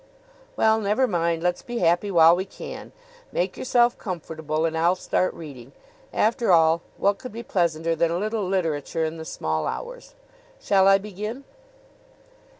"Well, never mind. Let's be happy while we can. Make yourself comfortable and I'll start reading. After all, what could be pleasanter than a little literature in the small hours? Shall I begin?"